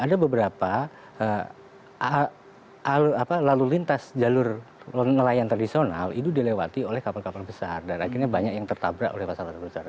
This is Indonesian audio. ada beberapa lalu lintas jalur nelayan tradisional itu dilewati oleh kapal kapal besar dan akhirnya banyak yang tertabrak oleh pasar pasar